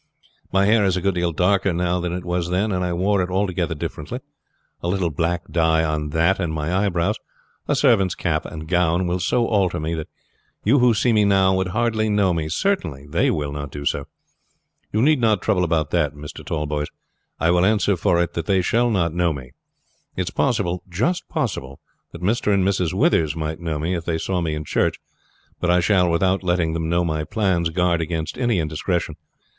My hair is a good deal darker now than it was then, and I wore it altogether differently. A little black dye on that and my eyebrows, a servant's cap and gown, will so alter me that you who see me now would hardly know me; certainly they will not do so. You need not trouble about that, Mr. Tallboys; I will answer for it that they shall not know me. It is possible, just possible, that Mr. and Mrs. Withers might know me if they saw me in church; but I shall, without letting them know my plans, guard against any indiscretion.